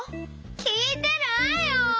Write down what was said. きいてないよ！